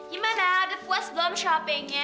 gimana udah puas belum shoppingnya